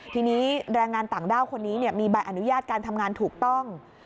ทีนี้แรงงานต่างด้าวคนนี้มีใบอนุญาตการทำงานถูกต้อง